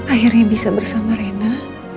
akhirnya bisa bersama rena